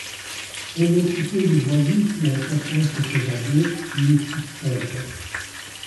Aimé Picquet du Boisguy, qui entre-temps s'est évadé, lui succède.